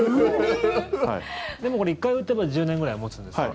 でもこれ、１回打てば１０年ぐらい持つんですか？